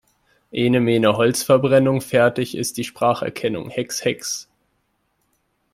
Ene mene Holzverbrennung, fertig ist die Spracherkennung. Hex, hex!